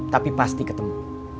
tapi pasti ketemu